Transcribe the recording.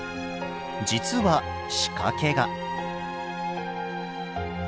実は仕掛けが。